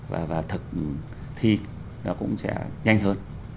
và thực thi nó cũng sẽ nhanh hơn